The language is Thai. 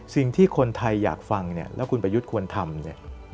สิ่งที่คนไทยอยากฟังเนี่ยแล้วคุณประยุทธ์ควรทำเนี่ย